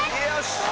よし！